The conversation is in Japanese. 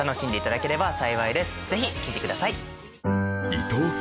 ぜひ聴いてください。